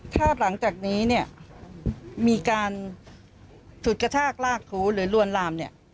ถ้าหลังจากนี้เนี่ยมีการฉุดกระชากลากถูหรือลวนลามเนี่ย